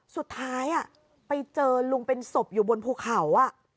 สุดท้ายไปเจอลุงเป็นศพอยู่บนภูเขา